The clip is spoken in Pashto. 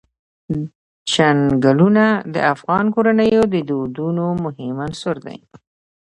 چنګلونه د افغان کورنیو د دودونو مهم عنصر دی.